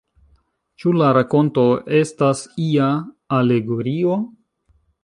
Ĉu la rakonto estas ia alegorio?